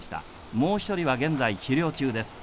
もう１人は現在治療中です。